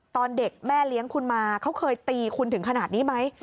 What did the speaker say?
ตอนเด็กแม่เลี้ยงคุณมาเขาเคยตีคุณถึงขนาดนี้ไหม